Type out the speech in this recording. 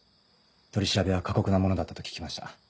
取り調べは過酷なものだったと聞きました。